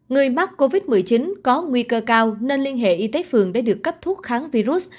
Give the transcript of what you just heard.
người mắc covid một mươi chín có nguy cơ cao nên liên hệ y tế phường để được cấp thuốc kháng virus